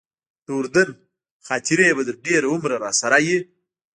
د اردن خاطرې به تر ډېره عمره راسره وي.